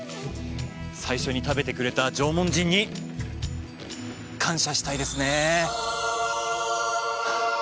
最初に食べてくれた縄文人に感謝したいですね！